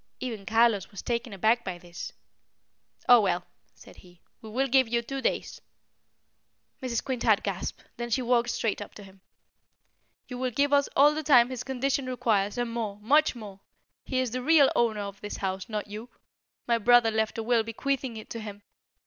Even Carlos was taken aback by this. "Oh, well!" said he, "we will give you two days." Mrs. Quintard gasped, then she walked straight up to him. "You will give us all the time his condition requires and more, much more. He is the real owner of this house, not you. My brother left a will bequeathing it to him.